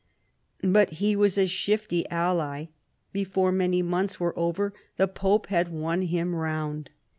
But he was a shifty ally. Before many months were over the pope had won him round.